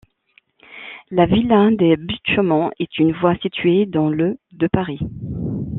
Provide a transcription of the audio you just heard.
La villa des Buttes-Chaumont est une voie située dans le de Paris.